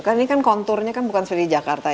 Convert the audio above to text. karena ini kan konturnya bukan seperti di jakarta